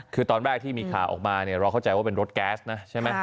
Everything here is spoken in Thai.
คือตอนแรกที่มีข่าวออกมาเนี่ยเราเข้าใจว่าเป็นรถแก๊สนะใช่ไหม